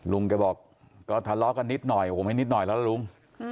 ลุงแกบอกก็ทะเลาะกันนิดหน่อยโอ้โหไม่นิดหน่อยแล้วล่ะลุง